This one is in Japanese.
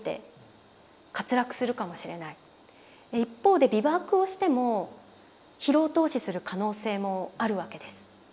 一方でビバークをしても疲労凍死する可能性もあるわけです。